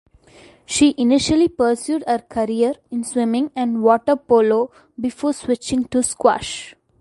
She initially pursued her career in swimming and water polo before switching to squash.